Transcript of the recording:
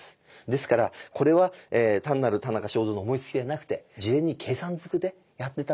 ですからこれは単なる田中正造の思いつきではなくて事前に計算ずくでやってたのかな。